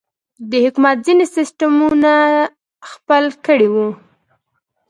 د حکومت ځينې سسټمونه خپل کړي وو.